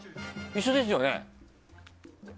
一緒ですよね。